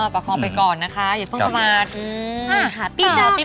ประคองไปก่อนนะคะอย่าเพิ่งประมาท